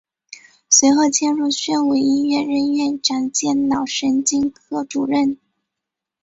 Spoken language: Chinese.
随后迁入宣武医院任院长兼脑神经科主任。